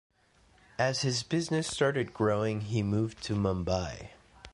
As his business started growing, he moved to Mumbai.